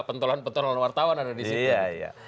pentelan pentelan wartawan ada disitu